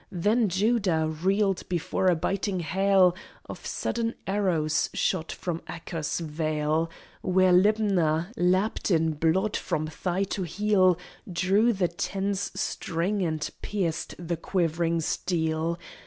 Then Judah reeled before a biting hail Of sudden arrows shot from Achor's vale, Where Libnah, lapped in blood from thigh to heel, Drew the tense string, and pierced the quivering steel.